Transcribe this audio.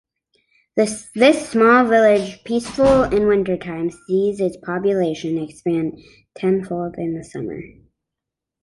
This small village, peaceful in wintertime, sees its population expand ten-fold in summer.